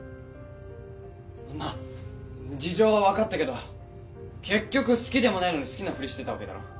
まあ事情は分かったけど結局好きでもないのに好きなふりしてたわけだろ？